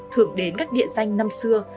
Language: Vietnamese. thường đến các địa danh năm xưa